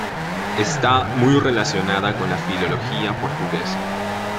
Está muy relacionada con la filología portuguesa.